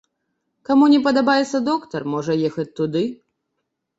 Каму не падабаецца доктар, можа ехаць туды.